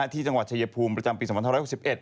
ที่จังหวัดชายภูมิประจำปี๒๕๖๑